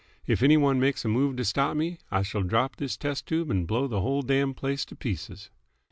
If any one makes a move to stop me, I shall drop this test tube and blow the whole damned place to pieces."